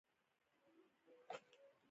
فریدګل د مننې په پار خپل سر وښوراوه